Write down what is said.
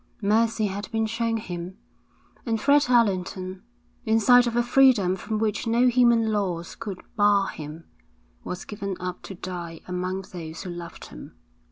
Mercy had been shown him, and Fred Allerton, in sight of a freedom from which no human laws could bar him, was given up to die among those who loved him.